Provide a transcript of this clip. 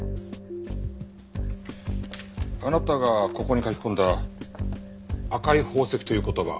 あなたがここに書き込んだ「赤い宝石」という言葉。